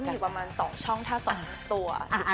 มันก็มีประมาณ๒ช่องถ้า๒ตัว